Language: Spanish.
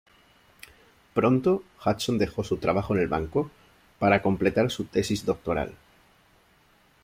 Pronto, Hudson dejó su trabajo en el banco para completar su tesis doctoral.